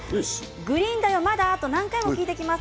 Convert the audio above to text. グリーンだよはまだ？と何回も聞いてきます。